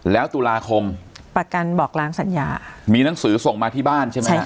แล้วตุลาคมประกันบอกล้างสัญญามีหนังสือส่งมาที่บ้านใช่ไหมฮะ